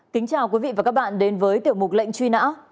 kính chào quý vị và các bạn đến với tiểu mục lệnh truy nã